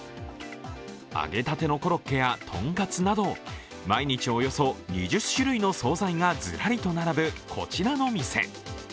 揚げたてのコロッケや豚カツなど毎日およそ２０種類の総菜がずらりと並ぶこちらの店。